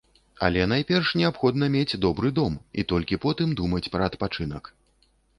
Але найперш неабходна мець добры дом, і толькі потым думаць пра адпачынак.